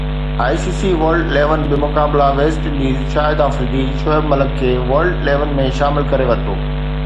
I C C World Eleven بمقابله West Indies Shahid Afridi Shoaib Malik کي World Eleven ۾ شامل ڪري ورتو